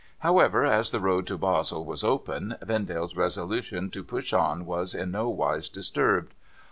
However, as the road to Basle was open, Vendale's resolution to push on was in no wise disturbed.